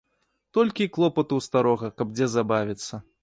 Толькі й клопату ў старога каб дзе забавіцца.